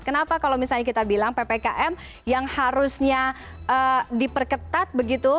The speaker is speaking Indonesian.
kenapa kalau misalnya kita bilang ppkm yang harusnya diperketat begitu